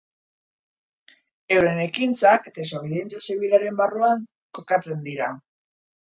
Euren ekintzak desobedientzia zibilaren barruan kokatzen dira.